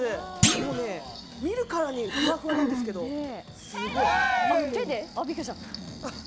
もうね、見るからにふわふわなんですけど、すごい。